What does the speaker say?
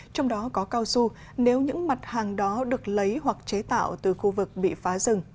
trong đó có cao su nếu những mặt hàng đó được lấy hoặc chế tạo từ khu vực bị phá rừng